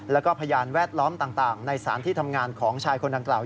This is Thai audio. แล้วก็พยานแวดล้อมต่างในสารที่ทำงานของชายคนดังกล่าว